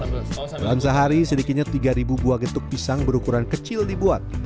dalam sehari sedikitnya tiga buah getuk pisang berukuran kecil dibuat